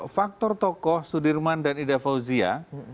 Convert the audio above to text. faktor tokoh sudirman dan ida fauzia